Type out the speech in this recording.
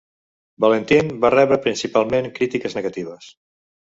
"Valentine" va rebre principalment crítiques negatives.